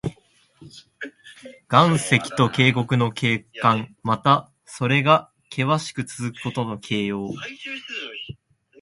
岩山と渓谷の景観。また、それがけわしくつづくことの形容。